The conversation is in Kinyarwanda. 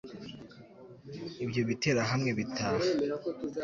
ibyo biterahamwe bitaha